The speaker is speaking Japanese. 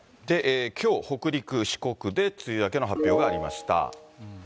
きょう北陸、四国で梅雨明けの発表がありました。